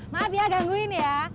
maaf ya gangguin ya